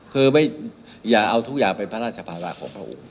คือไม่อย่าเอาทุกอย่างเป็นพระราชภาระของบริสุทธิ์